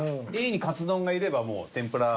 Ｂにかつ丼がいればもう天ぷら。